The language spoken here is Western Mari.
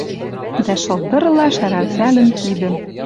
Дӓ шылдырла шӓрӓлтӓлӹн кидӹм